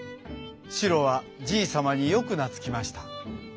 シロはじいさまによくなつきました。